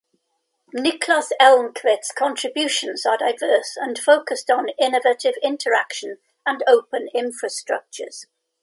Niklas Elmqvist’s contributions are diverse and focused on innovative interaction and open infrastructures.